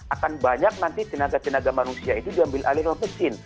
akan banyak nanti tenaga tenaga manusia itu diambil alih mesin